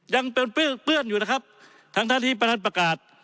ยังเป็นเปื้อนอยู่นะครับท่านท่านที่ประทับประกาศ